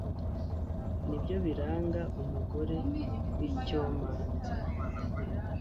ni byo biranga umugore w'icyomanzi